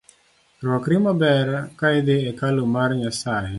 Rwakri maber ka idhii e kalu mar Nyasae